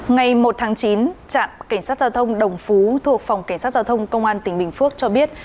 ngày một tháng chín trạm cảnh sát giao thông đồng phú thuộc phòng cảnh sát giao thông công an tỉnh bình phước cho biết